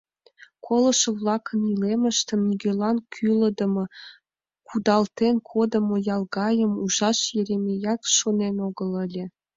Колышо-влакын илемыштым нигӧлан кӱлдымӧ, кудалтен кодымо ял гайым ужаш Еремеят шонен огыл ыле.